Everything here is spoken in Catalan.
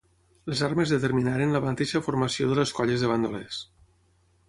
Les armes determinaren la mateixa formació de les colles de bandolers.